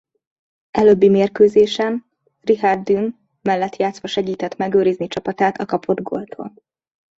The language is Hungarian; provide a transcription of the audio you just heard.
Előbbi mérkőzésen Richard Dunne mellett játszva segített megőrizni csapatát a kapott góltól.